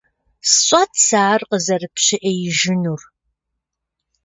СщӀат сэ ар къызэрыпщыӀеижынур.